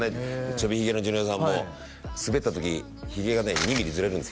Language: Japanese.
ちょびひげのジョニ男さんもスベった時ひげがね２ミリずれるんですよ